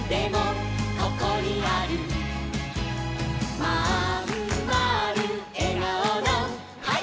「まんまるえがおのハイ！」